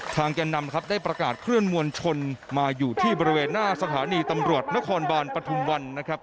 ทางแกนดำได้ประกาศเคลื่อนมวลชนมาอยู่ที่บริเวณหน้าสถานีตำรวจนครบาลปทุมวัน